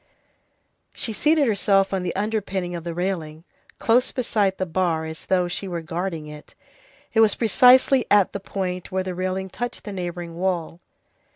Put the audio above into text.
She seated herself on the underpinning of the railing, close beside the bar, as though she were guarding it. It was precisely at the point where the railing touched the neighboring wall.